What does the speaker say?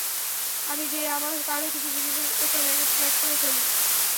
আমি যেয়ে আমার আরও কিছু জিনিস একটা ব্যাগে প্যাক করে ফেলি।